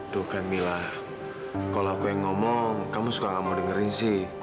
tuh kan mila kalau aku yang ngomong kamu suka nggak mau dengerin sih